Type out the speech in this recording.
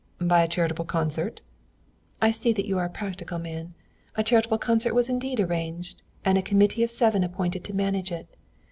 "By a charitable concert?" "I see that you are a practical man. A charitable concert was indeed arranged, and a committee of seven appointed to manage it.